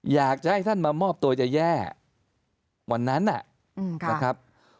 อยากจะให้ท่านมามอบตัวจะแย่วันนั้นนะครับ